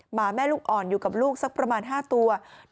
หมาแม่ลูกอ่อนอยู่กับลูกสักประมาณ๕ตัว